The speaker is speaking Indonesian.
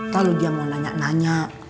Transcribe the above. kalau dia mau nanya nanya